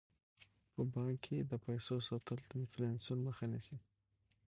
په بانک کې د پیسو ساتل د انفلاسیون مخه نیسي.